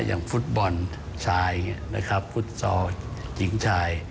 อย่างฟุตบอลชายนะครับฟุตซอลหญิงชาย